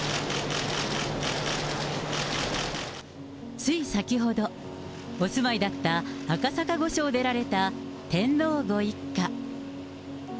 つい先ほど、お住まいだった赤坂御所を出られた天皇ご一家。